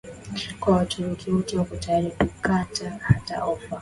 kwa Waturuki wote Wako tayari kukataa hata ofa